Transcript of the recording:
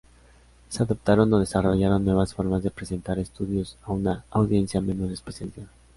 Se adoptaron o desarrollaron nuevas formas de presentar estudios a una audiencia menos especializada.